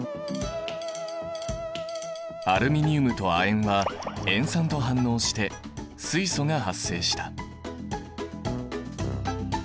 アルミニウムと亜鉛は塩酸と反応して水素が発生した。